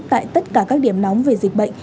tại tất cả các điểm nóng về dịch bệnh